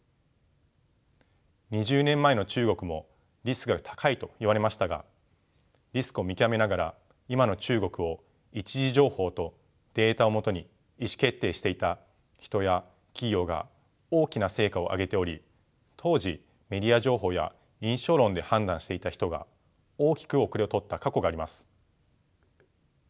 ２０年前の中国もリスクが高いと言われましたがリスクを見極めながら今の中国を一次情報とデータを基に意思決定していた人や企業が大きな成果を上げており当時メディア情報や印象論で判断していた人が大きく後れを取った過去があります。